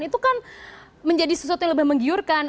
itu kan menjadi sesuatu yang lebih menggiurkan